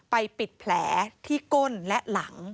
ปิดแผลที่ก้นและหลัง